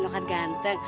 lu kan ganteng